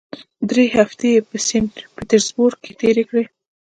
درې هفتې یې په سینټ پیټرزبورګ کې تېرې کړې.